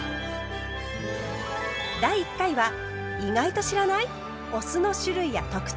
第１回は意外と知らない⁉お酢の種類や特徴